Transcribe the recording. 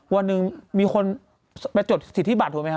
วันหนึ่งมีคนไปจดสิทธิบัตรถูกไหมครับ